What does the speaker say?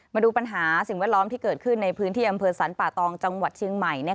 มาดูปัญหาสิ่งแวดล้อมที่เกิดขึ้นในพื้นที่อำเภอสรรป่าตองจังหวัดเชียงใหม่